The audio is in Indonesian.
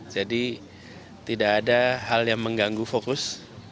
jadi tidak ada hal yang mengganggu fokus